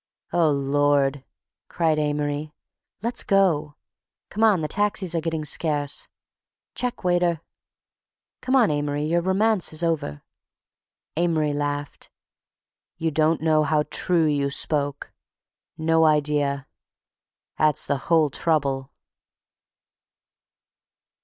"Oh, Lord!" cried Amory. "Let's go!" "Come on, the taxis are getting scarce!" "Check, waiter." "C'mon, Amory. Your romance is over." Amory laughed. "You don't know how true you spoke. No idea. 'At's the whole trouble."